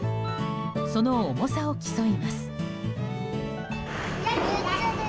その重さを競います。